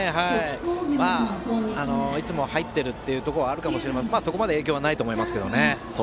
いつも入っているところはあるかもしれませんがそこまで影響はないと思います。